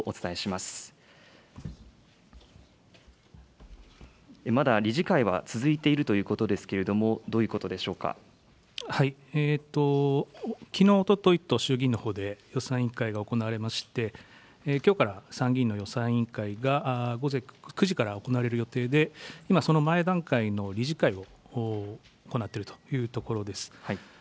まだ理事会は続いているということですけれども、どういうことできのう、おとといと衆議院のほうで予算委員会が行われまして、きょうから参議院の予算委員会が、午前９時から行われる予定で、今、その前段階の理事会を行っているというところです。